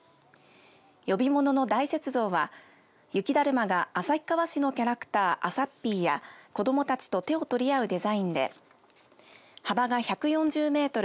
呼び物の大雪像は雪だるまが旭川市のキャラクターあさっぴーや子どもたちと手を取り合うデザインで幅が１４０メートル